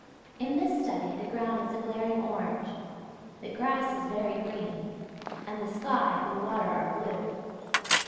In this study the ground is a glaring orange, the grass is very green, and the sky and the water are blue.